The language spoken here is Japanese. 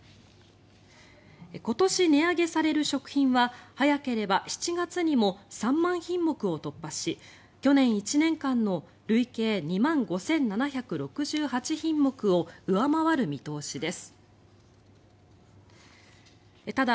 今年値上げされる食品は早ければ７月にも３万品目を突破し去年１年間の累計２万５７６８品目を上回る見通しです。